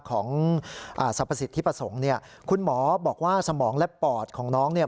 ของอ่าสรรพสิทธิประสงค์เนี่ยคุณหมอบอกว่าสมองและปอดของน้องเนี่ย